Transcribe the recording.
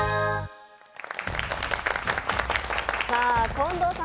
近藤さん